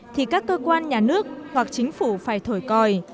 thì các cơ quan nhà nước hoặc chính phủ phải thổi còi